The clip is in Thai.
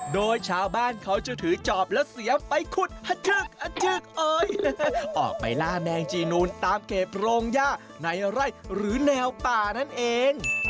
โดยชาวบ้านเขาจะถือจอบแล้วเสียมไปขุดออกไปล่าแมงจีนูนตามเขตโรงย่าในไร่หรือแนวป่านั่นเอง